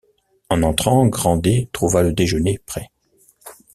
En entrant, Grandet trouva le déjeuner prêt.